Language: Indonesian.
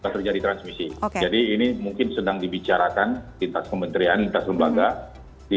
terjadi transmisi jadi ini mungkin sedang dibicarakan di tas pemerintah lembaga di